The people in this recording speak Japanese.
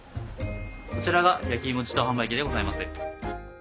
こちらが焼きいも自動販売機でございます。